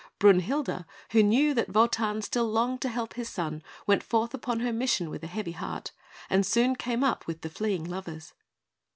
Brünhilde, who knew that Wotan still longed to help his son, went forth upon her mission with a heavy heart, and soon came up with the fleeing lovers.